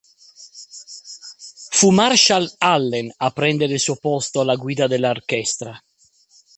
Fu Marshall Allen a prendere il suo posto alla guida dell'Arkestra.